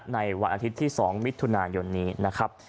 ในวันอาทิตย์ที่๒มิถุนายนนี้นะครับ